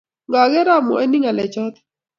Ngakeer amwone ngalechoto